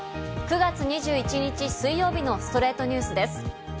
９月２１日、水曜日の『ストレイトニュース』です。